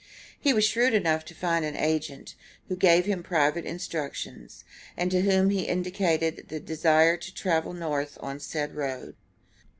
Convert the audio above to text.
He was shrewd enough to find an agent, who gave him private instructions, and to whom he indicated a desire to travel North on said road.